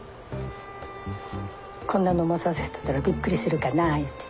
こんなの持たせてたらびっくりするかなぁいうて。